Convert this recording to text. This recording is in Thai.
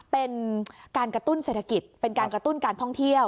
เป็นการกระตุ้นเศรษฐกิจเป็นการกระตุ้นการท่องเที่ยว